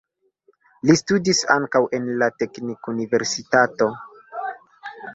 Li studis ankaŭ en la teknikuniversitato.